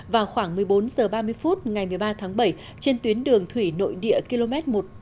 vào khoảng một mươi bốn h ba mươi phút ngày một mươi ba tháng bảy trên tuyến đường thủy nội địa km một trăm năm mươi hai tám trăm linh